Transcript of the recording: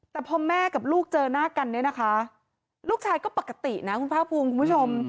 แต่พอแม่กับลูกเจอหน้ากันเนี่ยนะคะลูกชายก็ปกตินะคุณภาคภูมิคุณผู้ชม